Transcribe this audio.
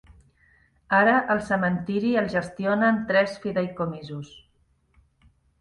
Ara, el cementiri el gestionen tres fideïcomisos.